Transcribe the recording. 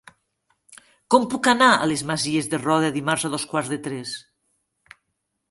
Com puc anar a les Masies de Roda dimarts a dos quarts de tres?